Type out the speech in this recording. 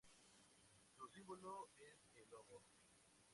Su símbolo es el lobo.